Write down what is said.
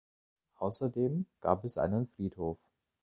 Außerdem gab es einen Friedhof.